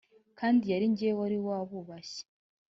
kandi yaringewe wari wabushashe!